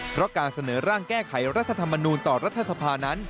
เพราะการเสนอร่างแก้ไขรัฐธรรมนูลต่อรัฐสภานั้น